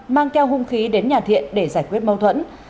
mang theo hung khí đến nhà thiện để giải quyết mâu thuẫn